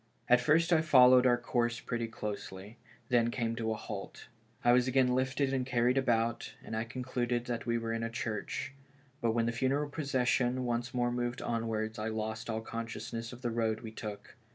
At first I followed our course pretty closely ; then came a halt. I was again lifted and carried about, and I concluded that we were in a church ; but when the funeral procession once more moved onwards, I lost all consciousness of the road we took.